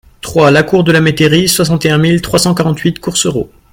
trois la Cour de la Métairie, soixante et un mille trois cent quarante Courcerault